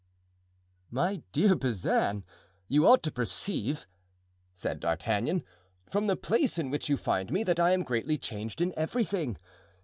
"My dear Bazin, you ought to perceive," said D'Artagnan, "from the place in which you find me, that I am greatly changed in everything.